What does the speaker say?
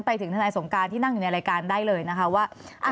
ทนายสงการที่นั่งอยู่ในรายการได้เลยนะคะว่า